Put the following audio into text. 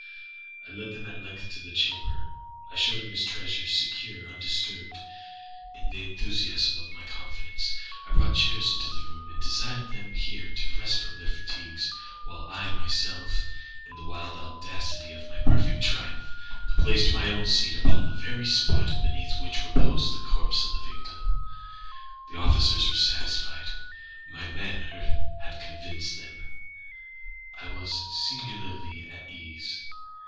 I led them, at length, to his chamber. I showed them his treasures, secure, undisturbed. In the enthusiasm of my confidence, I brought chairs into the room, and desired them here to rest from their fatigues, while I myself, in the wild audacity of my perfect triumph, placed my own seat upon the very spot beneath which reposed the corpse of the victim. The officers were satisfied. My manner had convinced them. I was singularly at ease.